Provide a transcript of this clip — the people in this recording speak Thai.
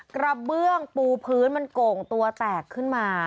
กระเบื้องปูพื้นมันโก่งตัวแตกขึ้นมา